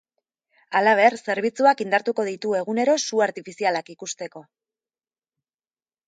Halaber, zerbitzuak indartuko ditu egunero su artifizialak ikusteko.